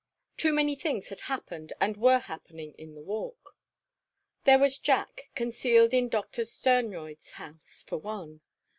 Too many things had happened and were happening in the Walk. There was Jack, concealed in Doctor Sternroyd's house, for one.